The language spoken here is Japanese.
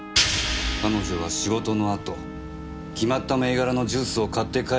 彼女は仕事のあと決まった銘柄のジュースを買って帰るのが習慣だった。